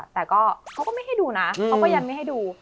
แต่ก็มันไม่ให้ดูมันไม่ให้ดู